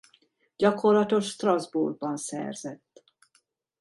Gyakorlatot Strasbourgban szerzett.